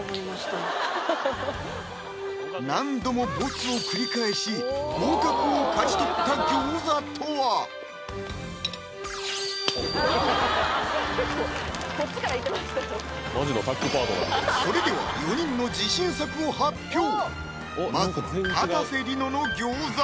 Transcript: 何度もボツを繰り返し合格を勝ち取った餃子とは⁉それでは４人のまずはかたせ梨乃の餃子！